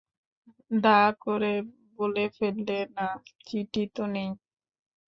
ধাঁ করে বলে ফেললে, না, চিঠি তো নেই।